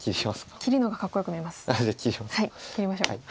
切りましょう。